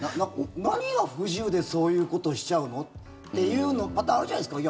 何が不自由でそういうことをしちゃうの？っていうパターンあるじゃないですか。